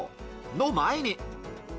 の前に。